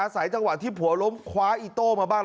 จังหวะที่ผัวล้มคว้าอีโต้มาบ้าง